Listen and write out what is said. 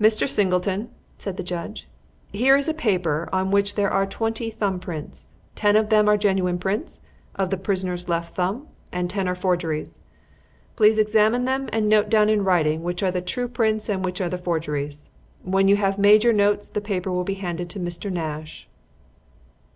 "Mr. Singleton," said the judge, "here is a paper on which there are twenty thumb prints. Ten of them are genuine prints of the prisoner's left thumb and ten are forgeries. Please examine them and note down in writing which are the true prints and which are the forgeries. When you have made your notes the paper will be handed to Mr. Nash."